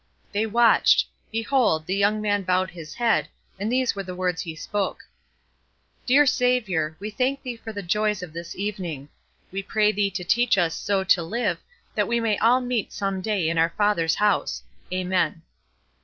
They watched; behold, the young man bowed his head, and these were the words he spoke: "Dear Saviour, we thank thee for the joys of this evening. We pray thee to teach us so to live that we may all meet some day in our Father's house. Amen."